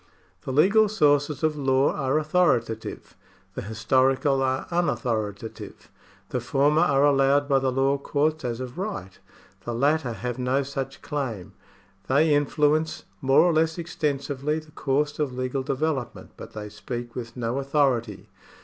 The legal sources of law are authoritative, the historical are unauthoritative. The former are allowed by the law courts as of right ; the latter have no such claim ; they influence more or less extensively the course of legal development, but they speak with no authority.